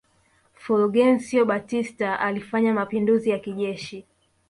Fulgencio Batista alifanya mapinduzi ya kijeshi